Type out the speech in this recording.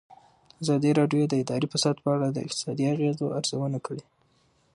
ازادي راډیو د اداري فساد په اړه د اقتصادي اغېزو ارزونه کړې.